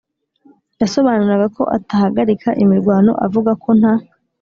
yasobanuraga ko atahagarika imirwano avuga ko nta